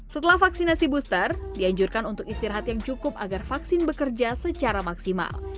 setelah vaksinasi booster dianjurkan untuk istirahat yang cukup agar vaksin bekerja secara maksimal